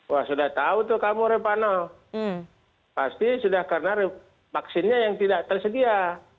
wah sudah tahu tuh kamu repanel pasti sudah karena vaksinnya yang tidak tersedia